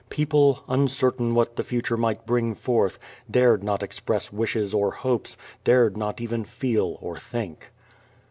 People, uncertain what the future might bring forth, dared not express wishes or hopes, dared not even feel or think.